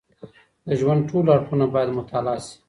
د ژوند ټول اړخونه باید مطالعه سي.